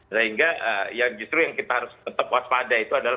sehingga yang justru yang kita harus tetap waspada itu adalah